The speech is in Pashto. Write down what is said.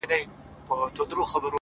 o مه کوه گمان د ليوني گلي ؛